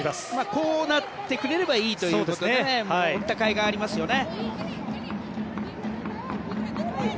こうなってくれればいいということでね行ったかいがありますよね。